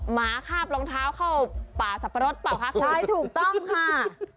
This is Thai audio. หมาคาบรองเท้าเข้าป่าสับปะรดเปล่าคะใช่ถูกต้องค่ะ